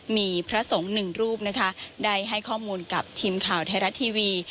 มีพระสงฆ์หนึ่งรูปได้ให้ข้อมูลกับชิมข่าวเทราะทีวี